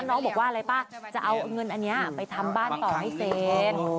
น้องบอกว่าอะไรป่ะจะเอาเงินอันนี้ไปทำบ้านต่อให้เซน